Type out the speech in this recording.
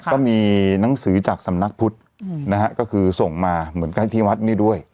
ก็มีหนังสือจากสำนักพุทธนะฮะก็คือส่งมาเหมือนกันที่วัดนี้ด้วย